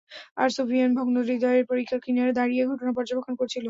আবু সুফিয়ান ভগ্নহৃদয়ে পরিখার কিনারে দাঁড়িয়ে ঘটনা পর্যবেক্ষণ করছিল।